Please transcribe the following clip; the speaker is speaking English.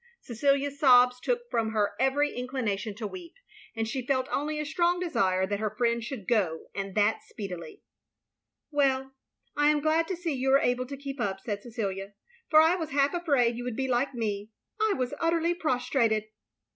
Cecilia's sobs took from her every inclination to weep; and she felt only a strong desire that her friend should go, and that speedily. "Well — I am glad to see you are able to keep up, " said Cecilia, " for I was half afraid you would be like me. I was utterly prostrated."